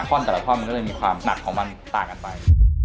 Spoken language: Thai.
ท่อนแต่ละท่อนมันก็เลยมีความหนักของมันต่างกันไป